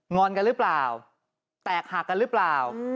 อนกันหรือเปล่าแตกหักกันหรือเปล่า